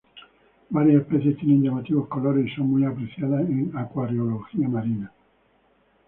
Varias especies tienen llamativos colores y son muy apreciadas en acuariología marina.